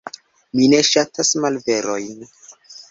Mi ne ŝatas malverojn.